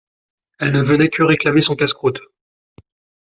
Elle ne venait que réclamer son casse-croûte.